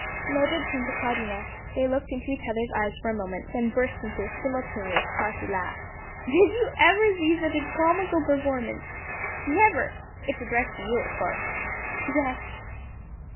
Mildred turned to Claudina. They looked into each other's eyes for a moment, then burst into a simultaneous hearty laugh. "Did ever you see such a comical performance?" "Never! It's addressed to you of course?" "Yes."